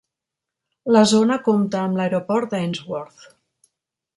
La zona compta amb l'aeroport d'Ainsworth.